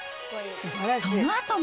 そのあとも。